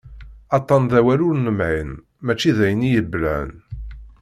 Aṭṭan d awal ur nemɛin mačči d ayen i ibelɛen.